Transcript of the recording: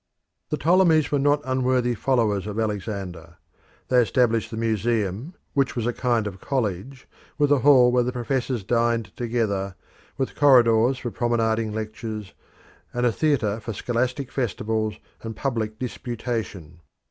The Ptolemies were not unworthy followers of Alexander. They established the Museum, which was a kind of college, with a hall where the professors dined together, with corridors for promenading lectures, and a theatre for scholastic festivals and public disputation.